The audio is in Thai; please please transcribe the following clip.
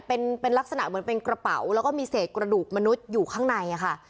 เป็นลักษณะเหมือนเป็นกระเป๋าแล้วก็มีเศษกระดูกมนุษย์อยู่ข้างในค่ะ